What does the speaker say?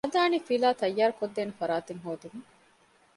ހަނދާނީފިލާ ތައްޔާރު ކޮށްދޭނެ ފަރާތެއް ހޯދުމަށް